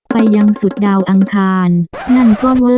ไปยังสุดด่าวอังคาน